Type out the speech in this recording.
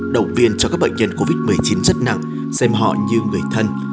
động viên cho các bệnh nhân covid một mươi chín rất nặng xem họ như người thân